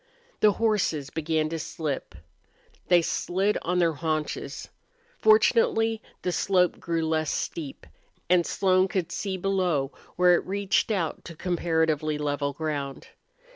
The horses began to slip. They slid on their haunches. Fortunately the slope grew less steep, and Slone could see below where it reached out to comparatively level ground.